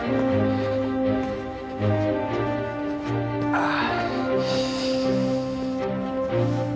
ああ。